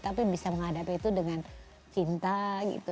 tapi bisa menghadapi itu dengan cinta gitu